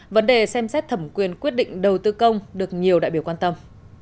vấn đề xem xét thẩm quyền quyết định đầu tư công được nhiều đại biểu quan tâm